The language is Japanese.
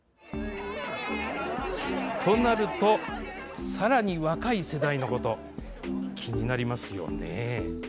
となると、さらに若い世代のこと、気になりますよね。